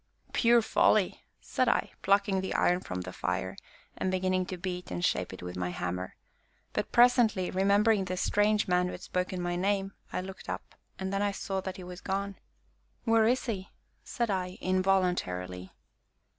"Pure folly!" said I, plucking the iron from the fire, and beginning to beat and shape it with my hammer, but presently, remembering the strange man who had spoken my name, I looked up, and then I saw that he was gone. "Where is he?" said I involuntarily.